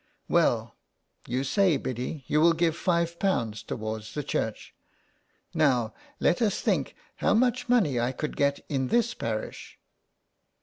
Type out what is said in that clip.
" Well, you say, Biddy, you will give five pounds , towards the church. Now, let us think how much money I could get in this parish.''